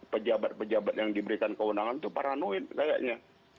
pejabat pejabat yang diberikan kewenangan itu paranoid kayaknya